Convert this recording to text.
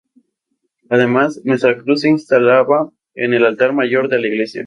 Además, nuestra Cruz se instalaba en el altar mayor de la Iglesia.